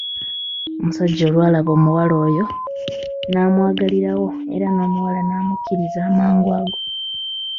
Omusajja olw'alaba omuwala oyo n'amwagalirawo era n'omuwala n'amukkiriza amangu ago.